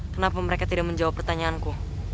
kenapa mereka tidak menjawab pertanyaanku